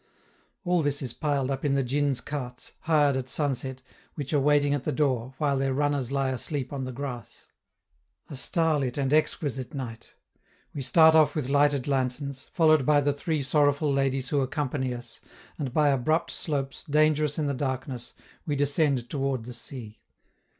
All this is piled up in the djins' carts, hired at sunset, which are waiting at the door, while their runners lie asleep on the grass. A starlit and exquisite night. We start off with lighted lanterns, followed by the three sorrowful ladies who accompany us, and by abrupt slopes, dangerous in the darkness, we descend toward the sea.